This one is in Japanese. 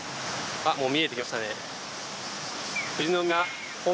あっもう見えてきましたね。